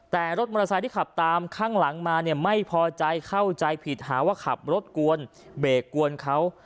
แต่รถมอเตอร์ไซค์ที่ขับตามข้างหลังมาเนี่ยไม่พอใจเข้าใจผิดหาว่าขับรถกวนเบรกกวนเขา